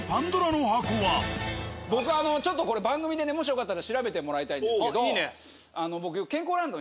僕あの番組でもしよかったら調べてもらいたいんですけど。